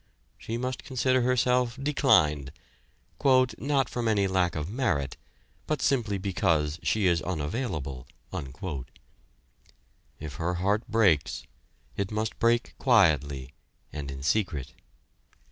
She must consider herself declined, "not from any lack of merit, but simply because she is unavailable." If her heart breaks, it must break quietly, and in secret.